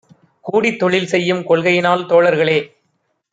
கூடித் தொழில்செய்யும் கொள்கையினால் தோழர்களே!